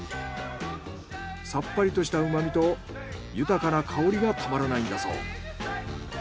さっぱりとした旨みと豊かな香りがたまらないんだそう。